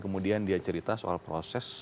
kemudian dia cerita soal proses